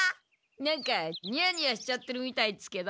なんかニヤニヤしちゃってるみたいですけど。